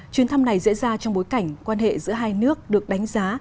chuyến thăm này diễn ra trong bối cảnh quan hệ giữa hai nước được đánh giá